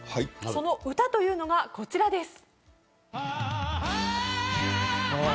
その歌というのがこちらです。